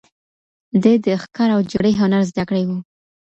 ده د ښکار او جګړې هنر زده کړی و